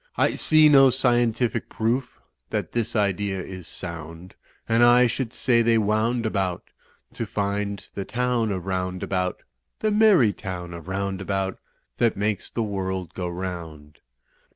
I see no scientific proof That this idea is sound, And I should say they wound about To find the town of Roundabout, The merry town of Roundabout That makes the world go round.